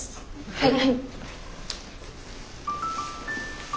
はい。